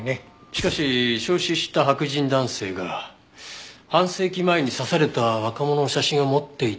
しかし焼死した白人男性が半世紀前に刺された若者の写真を持っていたというのは。